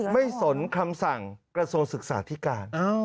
ไม่สนคำสั่งกระโซศึกษาธิการ